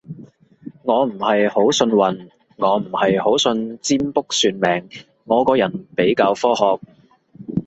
我唔係好信運，我唔係好信占卜算命，我個人比較科學